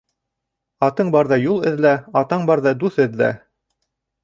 Атың барҙа юл эҙлә, атаң барҙа дуҫ эҙлә.